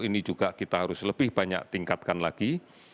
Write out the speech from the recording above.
ini juga kita harus lebih banyak tingkatkan lagi